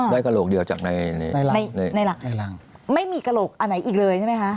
กระโหลกเดียวจากในในหลักในรังไม่มีกระโหลกอันไหนอีกเลยใช่ไหมคะ